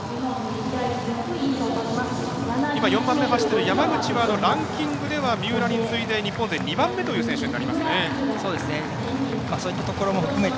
今４番目走っている山口はランキングでは三浦に次いで日本勢２番目というそういったところも含めて